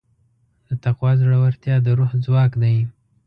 د تقوی زړورتیا د روح ځواک دی.